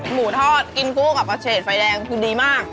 หมูทอดกินคู่กับประเฉดไฟแดงคือดีมาก